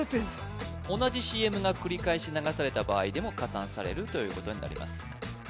同じＣＭが繰り返し流された場合でも加算されるということになります